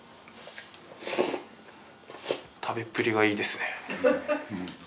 食べっぷりがいいですね。